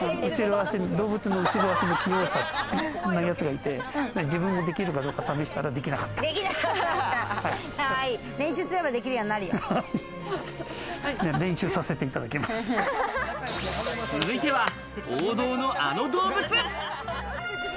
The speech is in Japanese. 動物の後ろ足の器用なやつがいて自分もできるかどうか試したら、練習すればできるようになる続いては王道のあの動物。